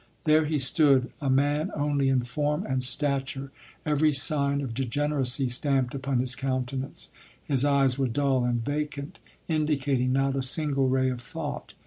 There he stood, a man only in form and stature, every sign of degeneracy stamped upon his countenance. His eyes were dull and vacant, indicating not a single ray of thought.